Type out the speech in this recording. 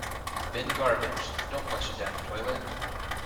Bin garbage, don't flush it down a toilet.